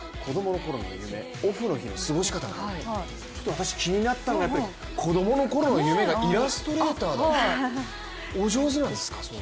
私、気になったのがやっぱり子供の頃の夢がイラストレーターだったって、お上手なんですか？